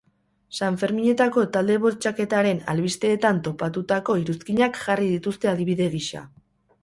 Sanferminetako talde bortxaketaren albisteetan topatutako iruzkinak jarri dituzte adibide gisa.